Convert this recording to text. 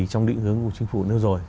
trong định hướng của chính phủ nữa rồi